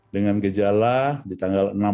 dengan gejala di tanggal empat belas itu ada demam